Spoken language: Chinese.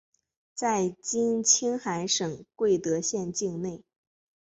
在今青海省贵德县境内。